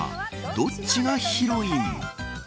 どっちがヒロイン？。